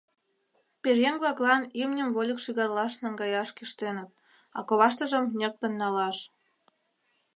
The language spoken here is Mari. Пӧръеҥ-влаклан имньым вольык шӱгарлаш наҥгаяш кӱштеныт, а коваштыжым ньыктын налаш.